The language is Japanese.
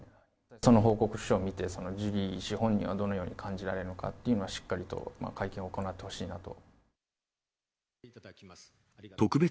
その報告書を見て、ジュリー氏本人はどのように感じられるのかっていうのは、しっかりと会見を行ってほしいなと。